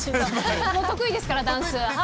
得意ですから、ダンス。